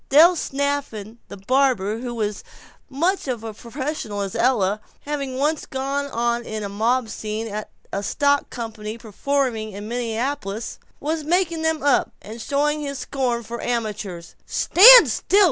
Del Snafflin the barber, who was as much a professional as Ella, having once gone on in a mob scene at a stock company performance in Minneapolis, was making them up, and showing his scorn for amateurs with, "Stand still!